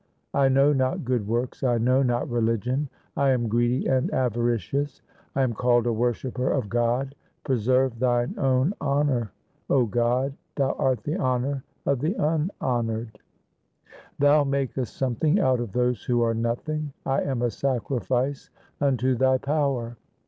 I know not good works, I know not religion ; I am greedy and avaricious. I am called a worshipper of God ; preserve Thine own honour, O God ; Thou art the honour of the unhonoured. LIFE OF GURU HAR GOBIND 155 Thou makest something out of those who are nothing ; I am a sacrifice unto Thy power.